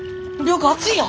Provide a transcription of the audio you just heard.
良子熱いよ！